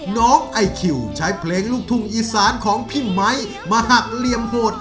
น้องไอคิวใช้เพลงลูกทุ่งอีสานของพี่ไมค์มาหักเหลี่ยมโหด